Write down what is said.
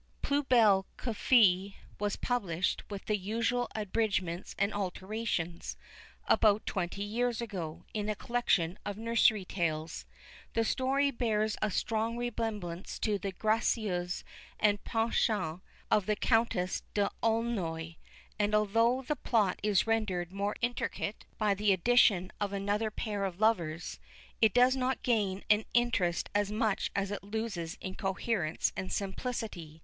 Plus Belle que Fée was published, with the usual abridgments and alterations, about twenty years ago, in a collection of nursery tales. The story bears a strong resemblance to the Gracieuse and Percinet of the Countess d'Aulnoy; and though the plot is rendered more intricate by the addition of another pair of lovers, it does not gain in interest as much as it loses in coherence and simplicity.